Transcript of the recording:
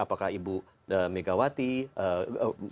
apakah ibu megawati mulai gusug